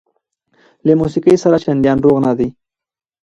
له موسقۍ سره چنديان روغ نه دي